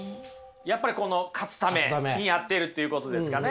やっぱりこの勝つためにやっているっていうことですかね。